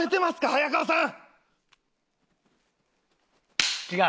早川さん！